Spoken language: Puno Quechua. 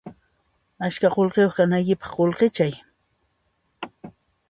Askha qullqiyuq kanaykipaq qullqichay